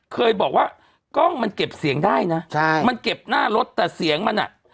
เคยบอกว่ากล้องมันเก็บเสียงได้นะใช่มันเก็บหน้ารถแต่เสียงมันอ่ะ